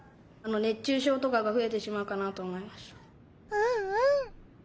うんうん。